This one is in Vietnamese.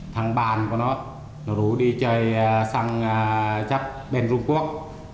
thằng bạn của nó rủ đi chơi sang chắp bên trung quốc